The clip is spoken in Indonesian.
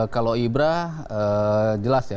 kalau ibra jelas ya